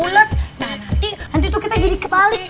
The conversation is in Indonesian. nah nanti nanti tuh kita jadi kepali